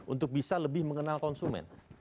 untuk bisa lebih mengenal konsumen